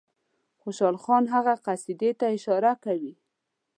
خوشحال خان هغه قصیدې ته اشاره کوي.